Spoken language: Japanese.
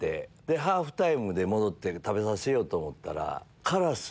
ハーフタイムで戻って食べさせようと思ったら。